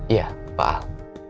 iya pak al